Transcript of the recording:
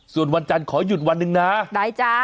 ส่วนวันจันทร์ขอหยุดวันหนึ่งนะได้จ้า